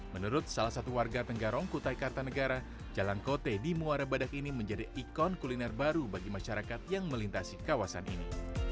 menurut salah satu warga tenggarong kutai kartanegara jalan kote di muara badak ini menjadi ikon kuliner baru bagi masyarakat yang melintasi kawasan ini